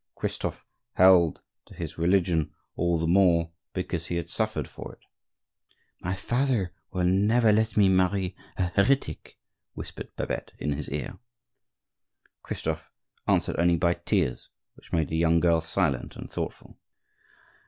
Christophe held to his religion all the more because he had suffered for it. "My father will never let me marry a heretic," whispered Babette in his ear. Christophe answered only by tears, which made the young girl silent and thoughtful.